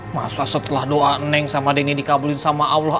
masa setelah doa neng sama denny dikabulin sama allah